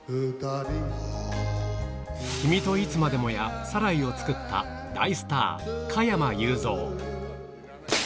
君といつまでもやサライを作った大スター、加山雄三。